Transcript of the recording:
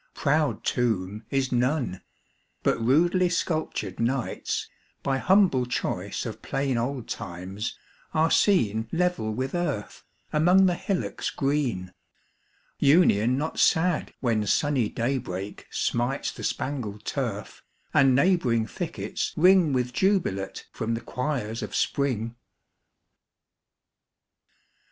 Proud tomb is none; but rudely sculptured knights, By humble choice of plain old times, are seen 10 Level with earth, among the hillocks green: Union not sad, when sunny daybreak smites The spangled turf, and neighbouring thickets ring With jubilate from the choirs of spring!